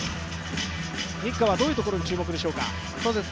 Ｎｉｃｋａはどういうところに注目でしょうか？